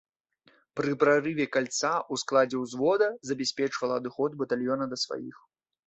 Пры прарыве кальца ў складзе ўзвода забяспечвала адыход батальёна да сваіх.